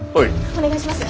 お願いします。